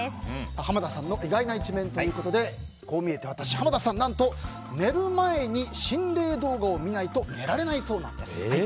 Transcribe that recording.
濱田さんの意外な一面ということでこう見えてワタシ濱田さん、何と寝る前に心霊動画を見ないと寝られないそうなんです。